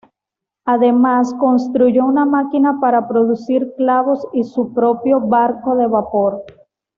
Además construyó una máquina para producir clavos y su propio barco de vapor.